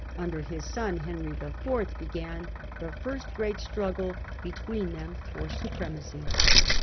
Under his son Henry IV. began the first great struggle be tween them for supremacy.